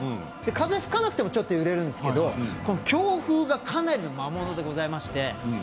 風が吹かなくてもちょっと揺れるんですけど強風がかなりの魔物でございまして。